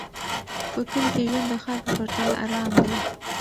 په کلي کې ژوند د ښار په پرتله ارام دی.